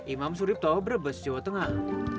imam suripto brebes jawa tengah